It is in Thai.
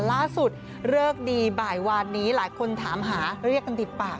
เลิกดีบ่ายวานนี้หลายคนถามหาเรียกกันติดปาก